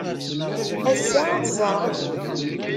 Ass-a, ad tt-ẓreɣ.